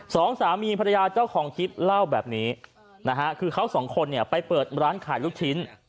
สองสามีภรรยาเจ้าของคลิปเล่าแบบนี้นะฮะคือเขาสองคนเนี่ยไปเปิดร้านขายลูกชิ้น